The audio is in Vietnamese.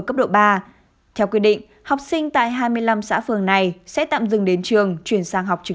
cấp độ ba theo quy định học sinh tại hai mươi năm xã phường này sẽ tạm dừng đến trường chuyển sang học trực